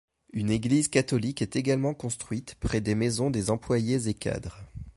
Une église catholique est également construite près des maisons des employés et cadres.